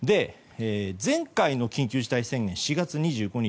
前回の緊急事態宣言は４月２５日。